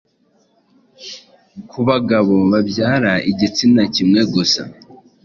Ku bagabo babyara igitsina kimwe gusa